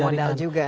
dan punya modal juga